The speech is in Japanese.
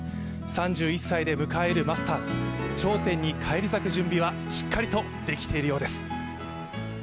３１歳で迎えるマスターズ頂点に返り咲く準備はしっかりとできているようです。